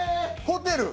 ホテル！